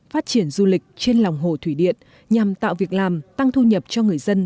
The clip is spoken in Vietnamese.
phát triển du lịch trên lòng hồ thủy điện nhằm tạo việc làm tăng thu nhập cho người dân